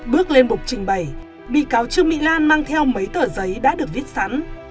bước lên bục trình bày bị cáo trương mỹ lan mang theo mấy tờ giấy đã được viết sẵn